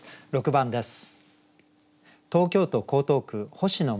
６番です。